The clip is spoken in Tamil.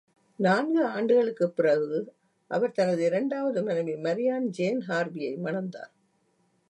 நான்கு ஆண்டுகளுக்குப் பிறகு அவர் தனது இரண்டாவது மனைவி மரியான் ஜேன் ஹார்வியை மணந்தார்.